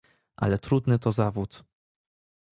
Ale trudny to zawód.